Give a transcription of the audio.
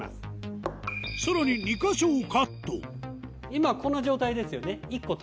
今この状態ですよね。